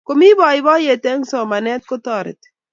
Komi boiboiyet eng somanet kotoreti